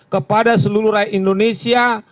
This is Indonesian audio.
kepada seluruh rakyat indonesia